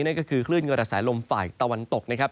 นั่นก็คือคลื่นกระแสลมฝ่ายตะวันตกนะครับ